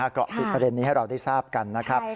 เกาะติดประเด็นนี้ให้เราได้ทราบกันนะครับ